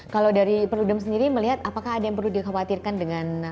kalau dari perludem sendiri melihat apakah ada yang perlu dikhawatirkan dengan